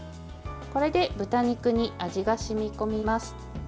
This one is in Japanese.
これで豚肉に味が染み込みます。